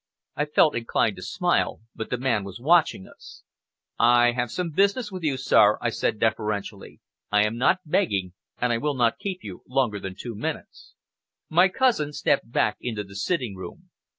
I felt inclined to smile, but the man was watching us. "I have some business with you, sir," I said deferenially. "I am not begging, and I will not keep you longer than two minutes." My cousin stepped back into the sitting room.